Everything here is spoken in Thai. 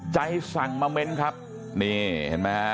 ใจสั่งมาเม้นครับนี่เห็นมั้ย